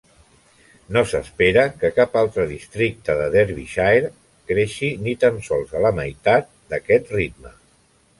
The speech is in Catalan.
No s'espera que cap altre districte de Derbyshire creixi ni tan sols a la meitat d'aquest ritme.